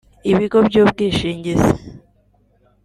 ibigo by’ ubwishingizi